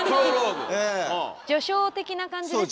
序章的な感じですね？